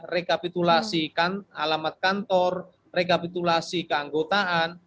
rekapitulasikan alamat kantor rekapitulasi keanggotaan